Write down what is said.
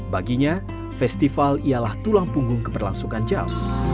baginya festival ialah tulang punggung keberlangsungan jav